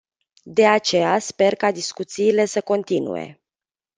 De aceea, sper ca discuțiile să continue.